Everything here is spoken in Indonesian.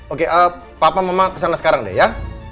oke papa mama kesana sekarang deh ya